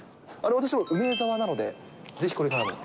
私も梅澤なので、ぜひこれからも。